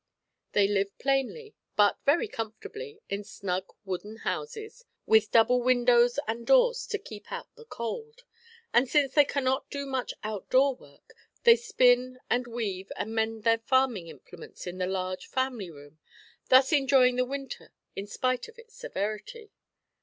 They live plainly, but very comfortably, in snug wooden houses, with double windows and doors to keep out the cold; and since they cannot do much out door work, they spin and weave and mend their farming implements in the large family room, thus enjoying the winter in spite of its severity.